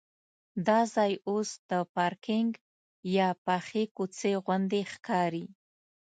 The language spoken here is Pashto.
دا ځای اوس د پارکینک یا پخې کوڅې غوندې ښکاري.